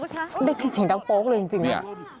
ทำโป๊กเลยจริง